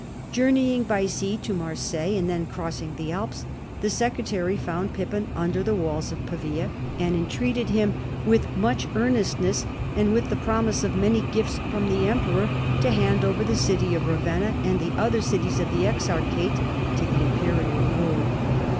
Journeying by sea to Marseilles, and then crossing the Alps, the Secretary found Pippin under the walls of Pavia, and entreated him with much earnestness and with the promise of many gifts from the emperor, to hand over the city of Ravenna and the other cities of the exarchate to the imperial rule.